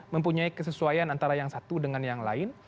mempunyai kesesuaian antara yang satu dengan yang lain